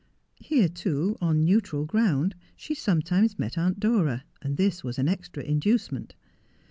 Here, too, on neutral ground, she sometimes met Aunt Dora, and this was an extra inducement.